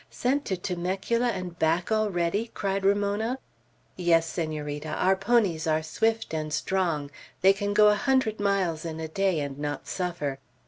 "Sent to Temecula and back already!" cried Ramona. "Yes, Senorita. Our ponies are swift and strong. They can go a hundred miles in a day, and not suffer.